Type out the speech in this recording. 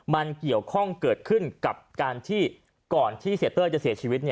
มันเกี่ยวข้องเกิดขึ้นกับการที่ก่อนที่เสียเต้ยจะเสียชีวิต